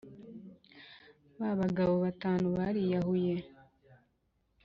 Ba bagabo batanu bariyahuye